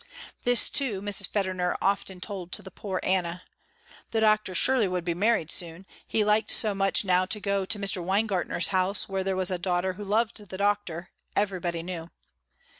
This, too, Mrs. Federner often told to the poor Anna. The doctor surely would be married soon, he liked so much now to go to Mr. Weingartner's house where there was a daughter who loved Doctor, everybody knew.